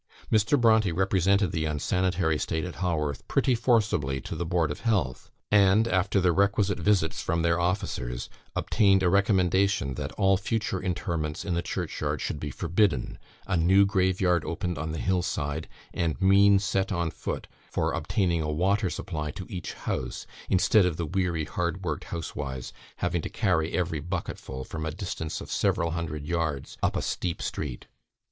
Mr. Brontë represented the unsanitary state at Haworth pretty forcibly to the Board of Health; and, after the requisite visits from their officers, obtained a recommendation that all future interments in the churchyard should be forbidden, a new graveyard opened on the hill side, and means set on foot for obtaining a water supply to each house, instead of the weary, hard worked housewives having to carry every bucketful, from a distance of several hundred yards, up a steep street.